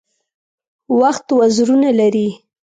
وخت وزرونه لري .